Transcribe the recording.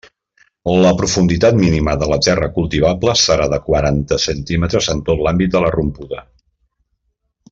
La profunditat mínima de la terra cultivable serà de quaranta centímetres en tot l'àmbit de la rompuda.